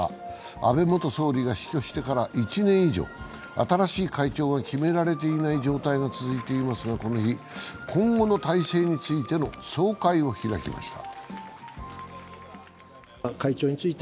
安倍元総理が死去してから１年以上、新しい会長が決められていない状態が続いていますが、この日、今後の体制についての総会を開きました。